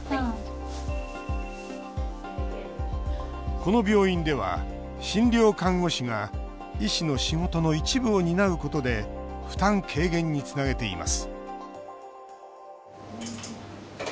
この病院では診療看護師が医師の仕事の一部を担うことで負担軽減につなげています